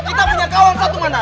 kita punya kawan satu mana